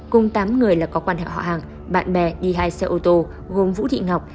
cùng tám người là có quan hệ họ hàng bạn bè đi hai xe ô tô gồm vũ thị ngọc